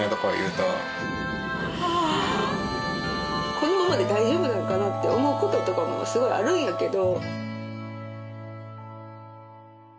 このままで大丈夫なんかなって思うこととかもすごいあるんやけど。